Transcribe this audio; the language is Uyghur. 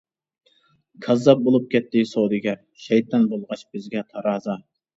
كاززاپ بولۇپ كەتتى سودىگەر، شەيتان بولغاچ بىزگە تارازا.